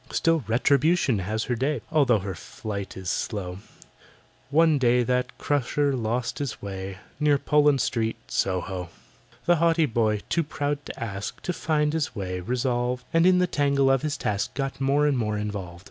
Still, Retribution has her day, Although her flight is slow: One day that Crusher lost his way Near Poland Street, Soho. The haughty boy, too proud to ask, To find his way resolved, And in the tangle of his task Got more and more involved.